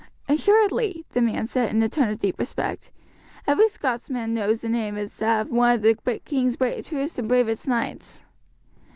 "Assuredly," the man said in a tone of deep respect, "every Scotsman knows the name as that of one of the king's truest and bravest knights."